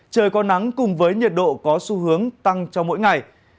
trời có nắng cùng với nhiệt độ có xu hướng tăng cho mỗi ngày